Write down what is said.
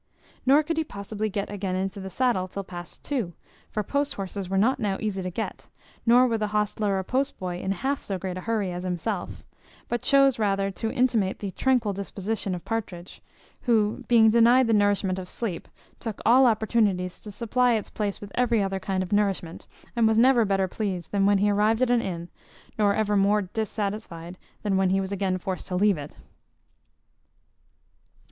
Nor could he possibly get again into the saddle till past two; for post horses were now not easy to get; nor were the hostler or post boy in half so great a hurry as himself, but chose rather to imitate the tranquil disposition of Partridge; who, being denied the nourishment of sleep, took all opportunities to supply its place with every other kind of nourishment, and was never better pleased than when he arrived at an inn, nor ever more dissatisfied than when he was again forced to leave it.